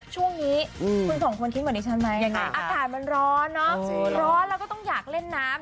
ช่วงนี้คุณสองคนคิดเหมือนดิฉันไหมยังไงอากาศมันร้อนเนอะร้อนแล้วก็ต้องอยากเล่นน้ำ